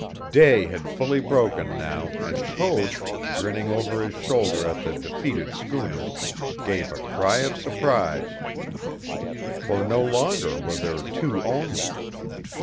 Day had fully broken now, and Code, grinning over his shoulder at the defeated schooners, gave a cry of surprise. For no longer were there two only.